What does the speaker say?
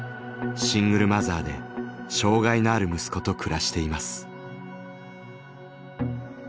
シングルマザーで障害のある息子と暮らしています。